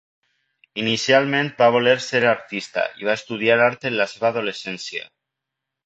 Inicialment va voler ser artista i va estudiar art en la seva adolescència.